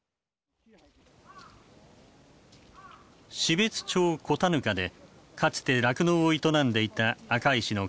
標津町古多糠でかつて酪農を営んでいた赤石の家族。